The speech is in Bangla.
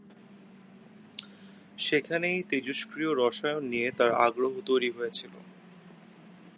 সেখানেই তেজষ্ক্রিয়-রসায়ন নিয়ে তাঁর আগ্রহ তৈরি হয়েছিল।